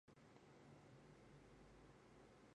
他屡次向唐朝遣使朝贡。